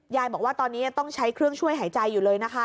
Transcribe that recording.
บอกว่าตอนนี้ยังต้องใช้เครื่องช่วยหายใจอยู่เลยนะคะ